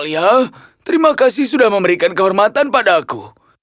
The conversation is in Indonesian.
raja terima kasih sudah memberikan kehormatan padaku